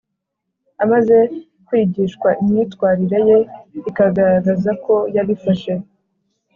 amaze kwigishwa imyitwarire ye ikagaragaza ko yabifashe